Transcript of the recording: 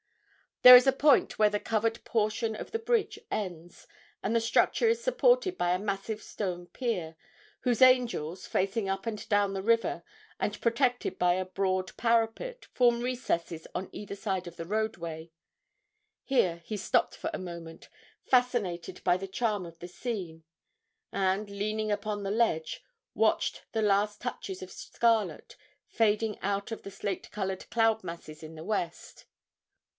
There is a point where the covered portion of the bridge ends, and the structure is supported by a massive stone pier, whose angles, facing up and down the river and protected by a broad parapet, form recesses on either side of the roadway. Here he stopped for a moment, fascinated by the charm of the scene, and, leaning upon the ledge, watched the last touches of scarlet fading out of the slate coloured cloud masses in the west.